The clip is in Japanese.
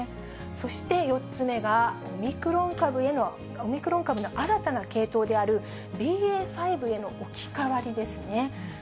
そして４つ目がオミクロン株の新たな系統であるＢＡ．５への置き換わりですね。